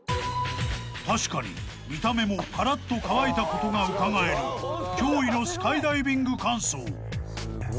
［確かに見た目もカラッと乾いたことがうかがえる驚異のスカイダイビング乾燥］